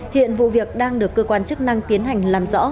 hiện vụ việc đang được cơ quan chức năng tiến hành làm rõ